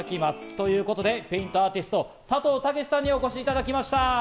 ということで、ペイントアーティスト、さとうたけしさんにお越しいただきました。